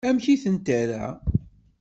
Amek i tent-terra?